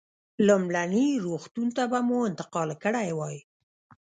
لومړني روغتون ته به مو انتقال کړی وای.